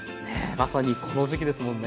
まさにこの時期ですもんね。